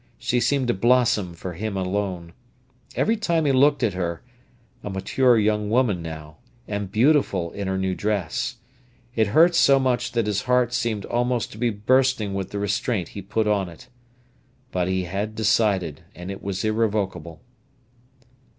She seemed to blossom for him alone. Every time he looked at her—a mature young woman now, and beautiful in her new dress—it hurt so much that his heart seemed almost to be bursting with the restraint he put on it. But he had decided, and it was irrevocable.